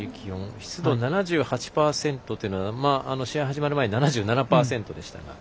湿度は７８％というのは試合始まる前は７７％でしたが。